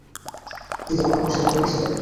দিদি, আমরা পাশের ঘরেই ছিলুম।